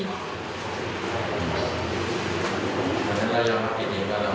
เพราะฉะนั้นเรายอมรับผิดเองครับ